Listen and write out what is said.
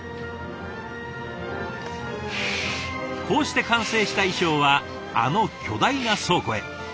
こうして完成した衣裳はあの巨大な倉庫へ。